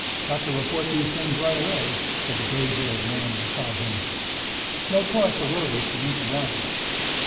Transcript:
"Got to report these things right away," said the grey haired man beside him. "No cause to worry if you ain't to blame."